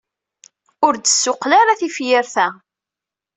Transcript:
Ur d-ssuqqul ara tafyirt-a.